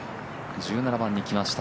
１７番にきました、